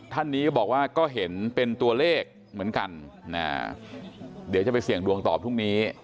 ท่านนี้ก็บอกว่าก็เห็นเป็นตัวเลขเหมือนกันเดี๋ยวจะไปเสี่ยงดวงต่อพรุ่งนี้